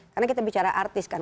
karena kita bicara artis kan